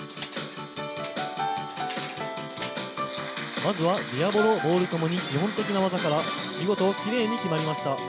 まずはディアボロボールともに基本的な技から見事きれいに決まりました。